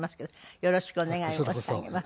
よろしくお願い申し上げます。